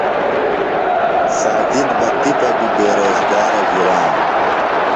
ساجد بہ تِپہ بیۡ بے روزگارہ گِرانوۡ۔